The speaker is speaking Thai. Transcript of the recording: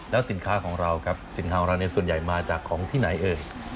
แล้วสินค้าของเราครับสินค้าของเราส่วนใหญ่มาจากของที่ไหนเอ่ย